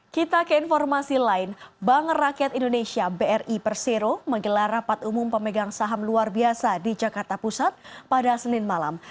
kita ke informasi lain bank rakyat indonesia bri persero menggelar rapat umum pemegang saham luar biasa di jakarta pusat pada senin malam